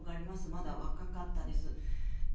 まだ若かったです。